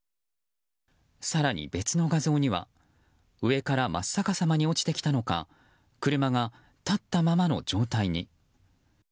更に別の画像には、上から真っ逆さまに落ちてきたのか車が立ったままの状態に。